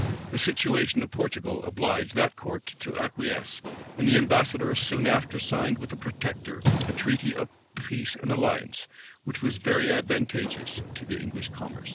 The situation of Portugal obliged that court to acquiesce; and the ambassador soon after signed, with the protector, a treaty of peace and alliance, which was very advantageous to the English commerce.